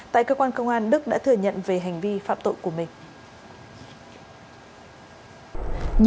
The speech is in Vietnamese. tại cơ quan công an đức đã thừa nhận về hành vi phạm tội của mình